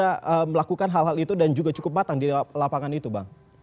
bisa melakukan hal hal itu dan juga cukup matang di lapangan itu bang